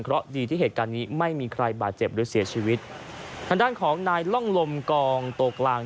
เพราะดีที่เหตุการณ์นี้ไม่มีใครบาดเจ็บหรือเสียชีวิตทางด้านของนายล่องลมกองโตกลาง